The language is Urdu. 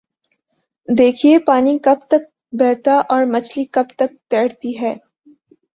دیکھیے پانی کب تک بہتا اور مچھلی کب تک تیرتی ہے؟